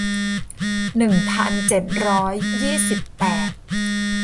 หนึ่งพันเจ็ดร้อยยี่สิบแปด